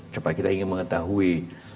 cepat kita ingin mengetahui